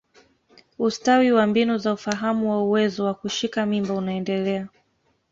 Ustawi wa mbinu za ufahamu wa uwezo wa kushika mimba unaendelea.